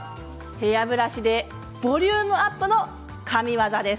ヘアブラシでボリュームアップの神業です。